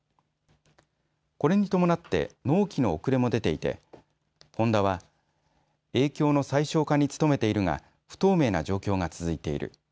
これに伴って納期の遅れも出ていてホンダは影響の最小化に努めているが不透明な状況が続いている。